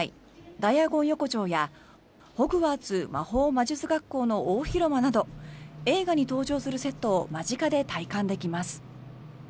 ダイアゴン横丁やホグワーツ魔法魔術学校の大広間など映画に登場するセットを間近で体感できます。